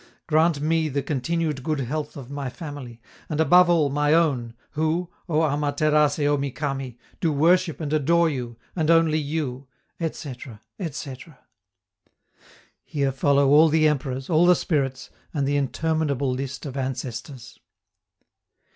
Grant me the continued good health of my family, and above all, my own, who, O Ama Terace Omi Kami! do worship and adore you, and only you, etc., etc." Here follow all the emperors, all the spirits, and the interminable list of ancestors.